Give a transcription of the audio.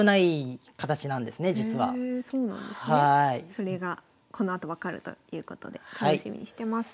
それがこのあと分かるということで楽しみにしてます。